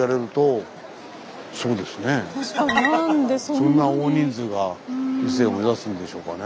そんな大人数が伊勢を目指すんでしょうかね。